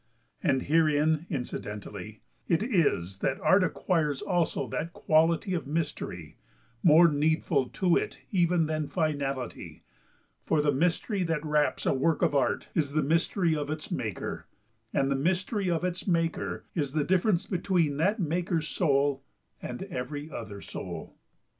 And herein, incidentally, it is that Art acquires also that quality of mystery, more needful to it even than finality, for the mystery that wraps a work of Art is the mystery of its maker, and the mystery of its maker is the difference between that maker's soul and every other soul.